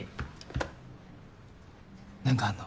何かあんの？